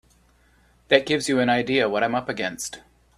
That gives you an idea of what I'm up against.